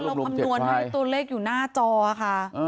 เราคำนวณให้ตัวเลขอยู่หน้าจอค่ะ